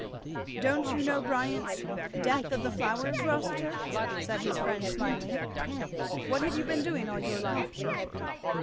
"Don't you know Bryant's 'Death of the Flowers,' Rossitur?" said his friend smiling. "What have you been doing all your life?"